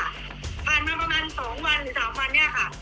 ผ่านมาประมาณ๒วันหรือ๓วันเนี่ยค่ะ